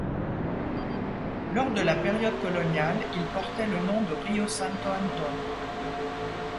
Lors de la période coloniale, il portait le nom de Rio Santo Antônio.